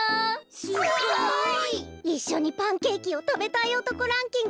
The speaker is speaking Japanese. すごい！いっしょにパンケーキをたべたいおとこランキング